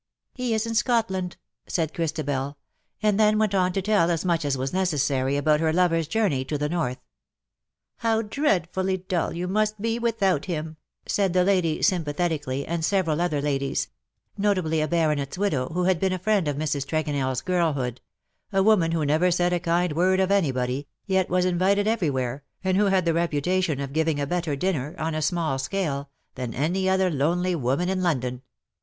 " He is in Scotland/^ said Christabel, and then went on to tell as much as was necessary about her lover's journey to the North. *^ How dreadfullv dull vou must be without liim !" LE SECRET DE POLICHINELLE. 231 said the lady^ sympathetically^ and several other ladies — notably a baronet^s widow, who had been a friend of Mrs. TregonelFs girlhood — a woman who never said a kind word of anybody _, yet was invited everywhere, and who had the reputation of giving a better dinner, on a small scale, than any other lonely woman in London.